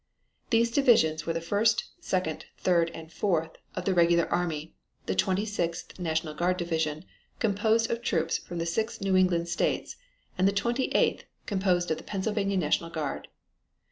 These divisions were the 1st, 2d, 3d and 4th of the Regular Army, the 26th National Guard Division, composed of troops from the six New England States, and the 28th, composed of the Pennsylvania National Guard.